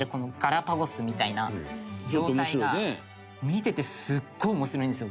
見ててすごい面白いんですよ